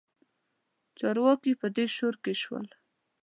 چارواکي په دې شورا کې شته.